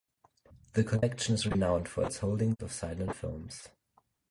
The collection is renowned for its holdings of silent films.